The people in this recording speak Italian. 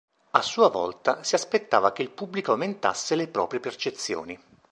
A sua volta, si aspettava che il pubblico aumentasse le proprie percezioni.